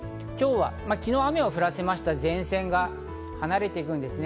昨日、雨を降らせました前線が今日は離れていくんですね。